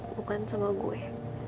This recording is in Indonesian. bukan sama gue